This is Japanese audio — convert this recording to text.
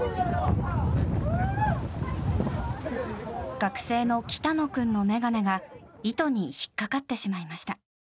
学生の北野君の眼鏡が糸に引っかかってしまいました。